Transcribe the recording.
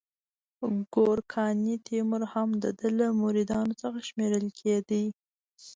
ګورکاني تیمور هم د ده له مریدانو څخه شمیرل کېده.